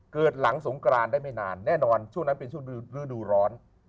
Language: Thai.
เกิดหลังสงกรานได้ไม่นานแน่นอนช่วงนั้นเป็นช่วงฤดูร้อน